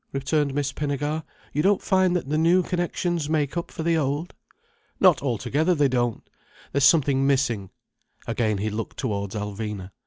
returned Miss Pinnegar. "You don't find that the new connections make up for the old?" "Not altogether, they don't. There's something missing—" Again he looked towards Alvina.